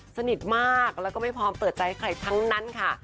สนิทมากแล้วก็ไม่พร้อมเปิดใจให้ใครทั้งนั้นค่ะ